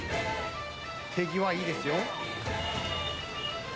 手際いいですよ。